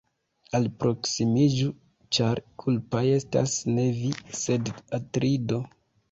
Alproksimiĝu, ĉar kulpaj estas ne vi, sed Atrido.